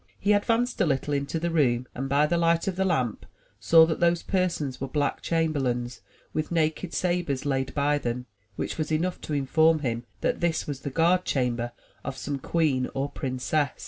He advanced a little into the room and by the light of the lamp saw that those persons were black chamberlains with naked sabres laid by them, which was enough to inform him that this was the guardchamber of some queen or princess.